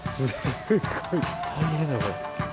大変だこれ。